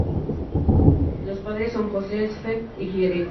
Los padres son József y Edit.